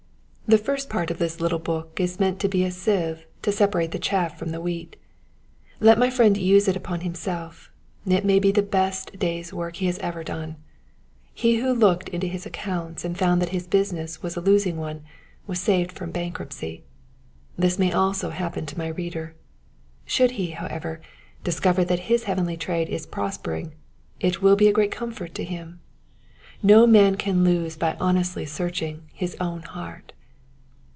The first part of this little book is meant to be a sieve to separate the chaff from the wheat. Let my friend use it upon himself ; it may be the best day's work he has ever done. He who looked into his accounts and found that his business was a losing one was saved from bankruptcy. This may happen also to my reader. Should he, how ever, discover that his heavenly trade is prosper ing, it will be a great comfort to him. No man can lose by honestly searching his own heart.